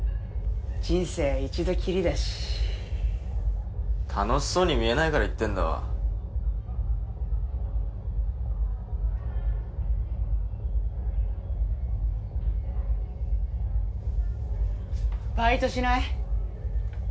人生一度きりだし楽しそうに見えないから言ってんだわバイトしない？